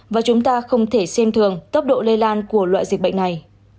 và chúng ta không thể xem thường tốc độ lây lan của loại dịch bệnh này